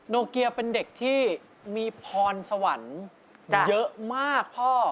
โนเกียเป็นเด็กที่มีพรสวรรค์เยอะมากพ่อ